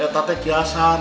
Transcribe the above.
eh tapi kiasan